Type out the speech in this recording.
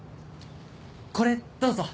これどうぞ。